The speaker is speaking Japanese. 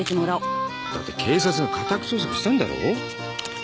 だって警察が家宅捜索したんだろう。